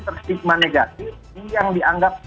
terstigma negatif yang dianggap